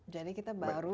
jadi kita baru bisa